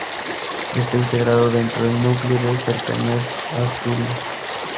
Está integrado dentro del núcleo de Cercanías Asturias.